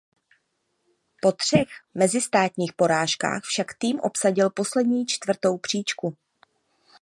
Po třech mezistátních porážkách však tým obsadil poslední čtvrtou příčku.